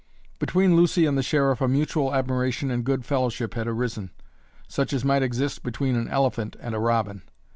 Between Lucy and the Sheriff a mutual admiration and good fellowship had arisen, such as might exist between an elephant and a robin.